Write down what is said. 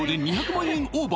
２７０万円